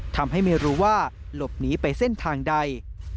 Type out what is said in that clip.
ทำให้ไม่รู้ว่าหลบหนีไปเส้นทางใด